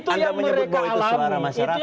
anda menyebut bahwa itu suara masyarakat